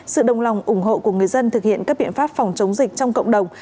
sự đồng lòng ủng hộ của người dân thực hiện các biện pháp phòng chống dịch trong cộng đồng